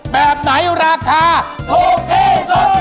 แบบไหนราคาถูกที่สุด